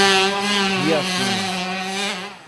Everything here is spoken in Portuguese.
Riachinho